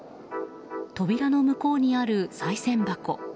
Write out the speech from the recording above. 扉の向こうにある、さい銭箱。